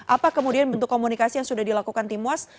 apa kemudian bentuk komunikasi yang sudah dilakukan timas